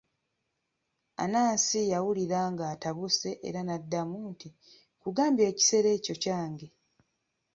Anansi yawulira ng'atabuse, era n'addamu nti, nkugambye ekisero ekyo kyange.